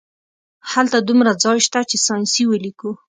هلته دومره ځای شته چې ساینسي ولیکو